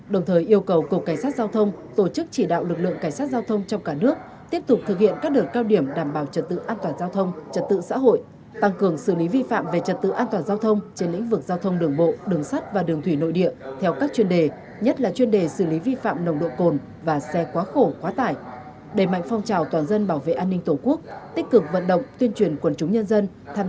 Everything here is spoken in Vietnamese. đồng thời yêu cầu cục cảnh sát giao thông tổ chức chỉ đạo lực lượng cảnh sát giao thông trong cả nước tiếp tục thực hiện các đợt cao điểm đảm bảo trật tự an toàn giao thông trật tự xã hội tăng cường xử lý vi phạm về trật tự an toàn giao thông trên lĩnh vực giao thông đường bộ đường sắt và đường thủy nội địa theo các chuyên đề nhất là chuyên đề xử lý vi phạm nồng độ cồn và xe quá khổ quá tải đẩy mạnh phong trào toàn dân bảo vệ an ninh tổ quốc tích cực vận động tuyên truyền quần chúng nhân dân tham